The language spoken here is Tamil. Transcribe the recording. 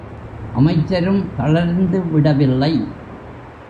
அமைச்சரும் தளர்ந்து விடவில்லை.